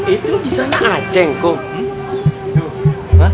itu disana aceng kum